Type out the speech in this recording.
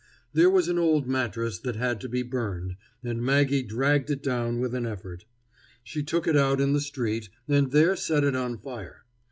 There was an old mattress that had to be burned, and Maggie dragged it down with an effort. She took it out in the street, and there set it on fire.